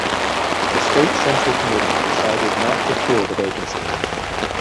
The state central committee decided not to fill the vacancy.